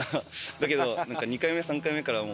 だけど２回目３回目から。